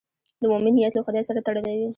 د مؤمن نیت له خدای سره تړلی وي.